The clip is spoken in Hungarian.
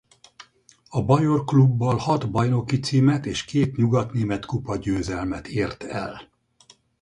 A bajor klubbal hat bajnoki címet és két nyugatnémet kupa győzelmet ért el.